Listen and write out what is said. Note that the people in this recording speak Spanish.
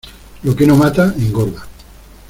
Lo que no mata, engorda.